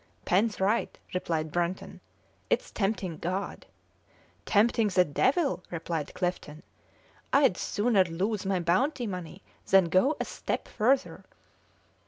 "Pen's right!" replied Brunton; "it's tempting God!" "Tempting the devil!" replied Clifton. "I'd sooner lose my bounty money than go a step further."